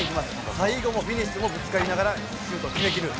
最後のフィニッシュもつかえながらシュート決めきる。